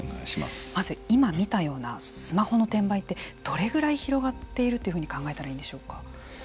まず今見たようなスマホの転売ってどれぐらい広がってるというふうに考えたらいいんでしょうか。